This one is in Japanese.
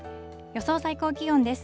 予想最高気温です。